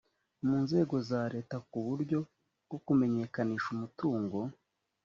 mu nzego za leta ku buryo bwo kumenyekanisha umutungo